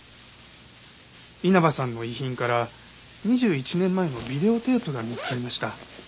稲葉さんの遺品から２１年前のビデオテープが見つかりました。